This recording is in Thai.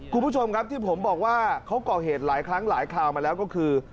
คุณผู้ชมครับที่ผมบอกว่าเขาก่อเหตุหลายครั้งหลายคราวมาแล้วก็คือ